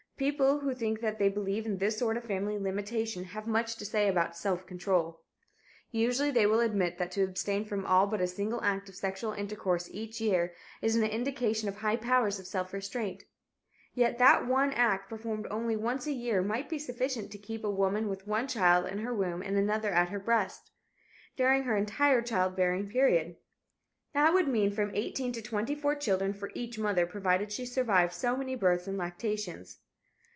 People who think that they believe in this sort of family limitation have much to say about "self control." Usually they will admit that to abstain from all but a single act of sexual intercourse each year is an indication of high powers of self restraint. Yet that one act, performed only once a year, might be sufficient to "keep a woman with one child in her womb and another at her breast" during her entire childbearing period. That would mean from eighteen to twenty four children for each mother, provided she survived so many births and lactations.